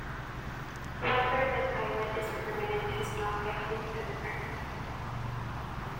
Whether that islet is permanent has not yet been confirmed.